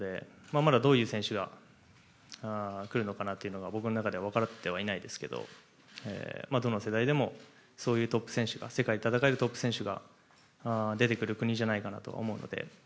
まだどういう選手が来るのかなというのが僕の中では分かってはいないですけどどの世代でも、そういう世界で戦えるトップ選手が出てくる国じゃないかなと思うので。